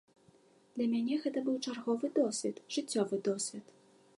Для мяне гэта быў чарговы досвед, жыццёвы досвед.